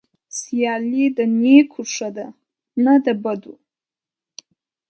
سيالي د نيکو ښه ده نه د بدو.